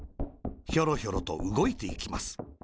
ひょろひょろと、うごいていきます。